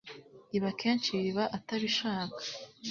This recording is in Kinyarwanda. Ibi akenshi biba atabishaka,